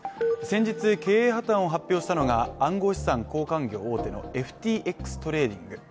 先日、経営破綻を発表したのが暗号資産交換業大手のＦＴＸトレーディング。